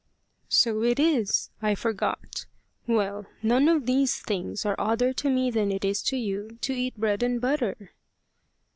"So it is! I forgot. Well, none of these things are odder to me than it is to you to eat bread and butter."